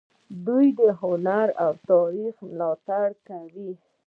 دوی د هنر او تاریخ ملاتړ کوي.